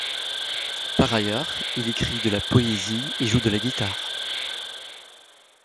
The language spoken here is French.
Par ailleurs, il écrit de la poésie et joue de la guitare.